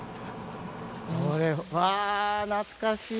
わー、懐かしい。